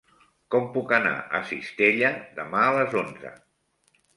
Com puc anar a Cistella demà a les onze?